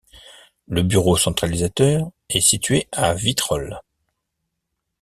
Le bureau centralisateur est situé à Vitrolles.